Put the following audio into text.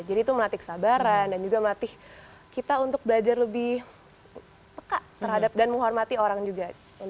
jadi itu melatih kesabaran dan juga melatih kita untuk belajar lebih peka terhadap dan menghormati orang juga